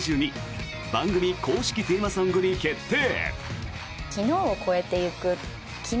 番組公式テーマソングに決定！